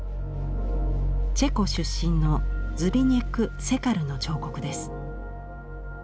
チェコ出身のズビニェク・セカルの彫刻です。